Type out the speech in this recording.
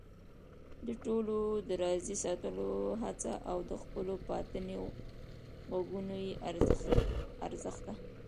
د ټولو د راضي ساتلو حڅه او د خپلو باطني غږونو بې ارزښته